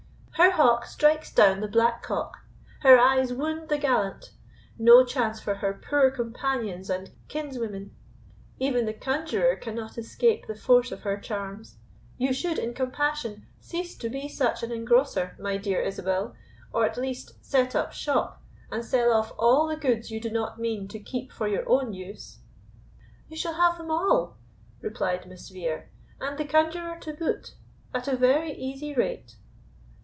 Her hawk strikes down the black cock; her eyes wound the gallant; no chance for her poor companions and kinswomen; even the conjuror cannot escape the force of her charms. You should, in compassion, cease to be such an engrosser, my dear Isabel, or at least set up shop, and sell off all the goods you do not mean to keep for your own use." "You shall have them all," replied Miss Vere, "and the conjuror to boot, at a very easy rate."